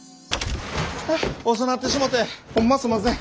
遅なってしもてほんますんません。